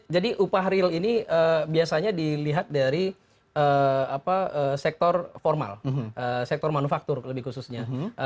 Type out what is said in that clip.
jadi upah real ini biasanya dilihat dari sektor formal sektor manufaktur lebih khususnya